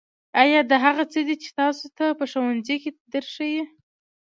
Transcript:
ایا دا هغه څه دي چې تاسو ته په ښوونځي کې درښیي